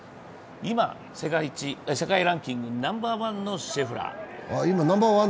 今、世界ランキングナンバーワンのシェフラー。